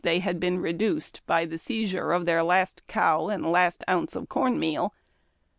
243 they had been reduced by the seizure of their last cow and last ounce of corn meal.